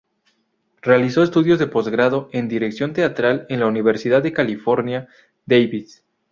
Realizó estudios de postgrado en dirección teatral en la Universidad de California, Davis.